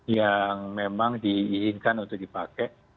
yang memang diinginkan untuk dipakai